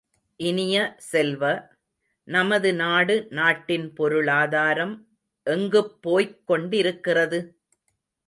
இனிய செல்வ, நமது நாடு நாட்டின் பொருளாதாரம் எங்குப் போய்க் கொண்டிருக்கிறது?